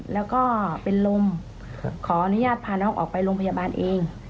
แล้วก็เป็นลมขออนุญาตพาน้องออกไปโรงพยาบาลเอง